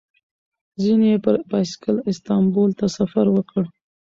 ځینې یې پر بایسکل استانبول ته سفر وکړ.